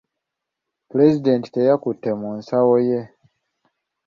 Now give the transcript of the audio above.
Pulezidenti teyakutte mu nsawo ye.